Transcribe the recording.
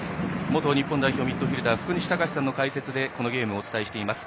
元日本代表ミッドフィールダー福西崇史さんの解説でこのゲームをお伝えしています。